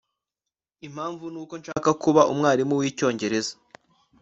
impamvu nuko nshaka kuba umwarimu wicyongereza